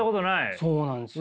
そうなんですよ